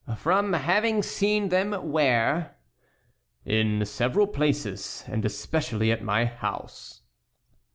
"From having seen them where?" "In several places; and especially at my house."